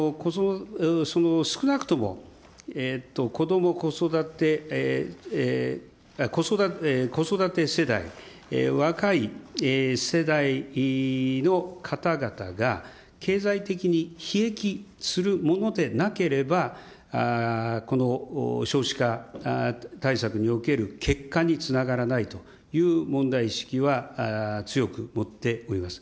少なくとも子ども・子育て、子育て世代、若い世代の方々が、経済的にひ益するものでなければ、この少子化対策における結果につながらないという問題意識は強く持っております。